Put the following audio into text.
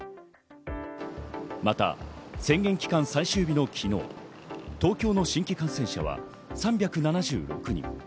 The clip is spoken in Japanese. また宣言期間最終日の昨日、東京の新規感染者は３７６人。